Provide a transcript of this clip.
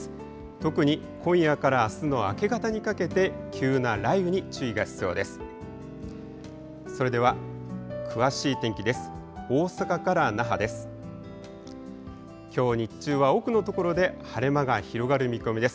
特に今夜からあすの明け方にかけて、急な雷雨に注意が必要です。